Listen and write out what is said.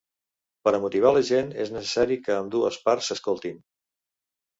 Per a motivar la gent és necessari que ambdues parts s’escoltin.